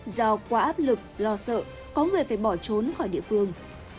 do quá áp lực lo sợ có người phải bỏ trốn khỏi địa phương